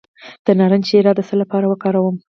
د نارنج شیره د څه لپاره وکاروم؟